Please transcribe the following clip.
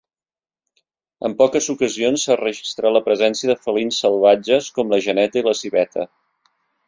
En poques ocasions s'ha registrat la presència de felins salvatges com la geneta i la civeta.